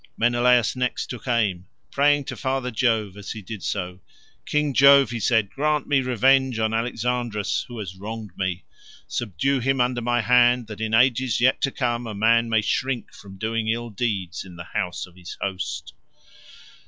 Menelaus next took aim, praying to Father Jove as he did so. "King Jove," he said, "grant me revenge on Alexandrus who has wronged me; subdue him under my hand that in ages yet to come a man may shrink from doing ill deeds in the house of his host."